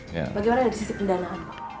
bagaimana dari sisi pendanaan